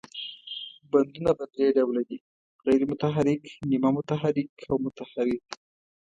بندونه په درې ډوله دي، غیر متحرک، نیمه متحرک او متحرک.